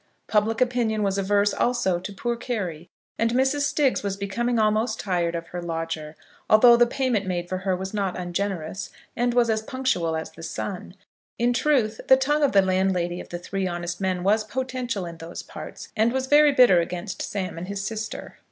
Public opinion was averse, also, to poor Carry; and Mrs. Stiggs was becoming almost tired of her lodger, although the payment made for her was not ungenerous and was as punctual as the sun. In truth, the tongue of the landlady of the Three Honest Men was potential in those parts, and was very bitter against Sam and his sister.